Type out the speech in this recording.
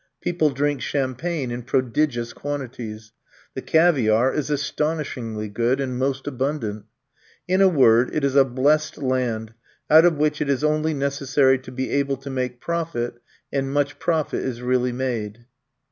People drink champagne in prodigious quantities. The caviare is astonishingly good and most abundant. In a word, it is a blessed land, out of which it is only necessary to be able to make profit; and much profit is really made.